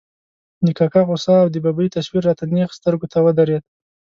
د کاکا غوسه او د ببۍ تصویر را ته نېغ سترګو ته ودرېد.